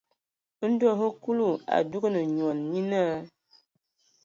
Ndo hm Kúlu a dúgan nyoan, nyé náa.